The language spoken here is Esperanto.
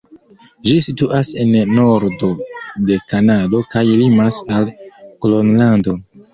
Ĝi situas en nordo de Kanado kaj limas al Gronlando.